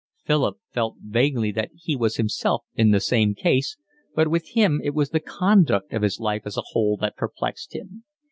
Philip felt vaguely that he was himself in the same case, but with him it was the conduct of his life as a whole that perplexed him.